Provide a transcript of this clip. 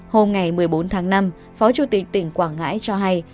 hôm ngày một mươi bốn tháng năm phó chủ tịch tỉnh quảng ngãi cho hay